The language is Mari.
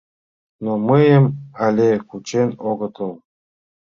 — Но мыйым але кучен огытыл.